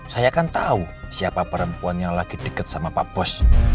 saya kan tahu siapa perempuan yang lagi dekat sama pak bos